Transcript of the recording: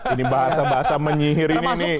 ini bahasa bahasa menyihir ini nih